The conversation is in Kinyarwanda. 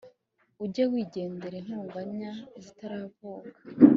ujye wigendera intonganya zitaravuka